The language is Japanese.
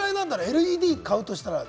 ＬＥＤ買うとしたら。